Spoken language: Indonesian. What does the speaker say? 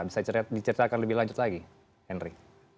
bisa diceritakan lebih lanjut lagi henry